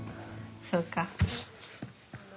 そうか。